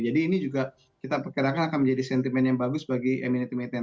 jadi ini juga kita perkirakan akan menjadi sentimen yang bagus bagi emiten emiten